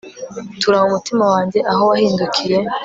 tura mu mutima wanjye, aho wahindukiye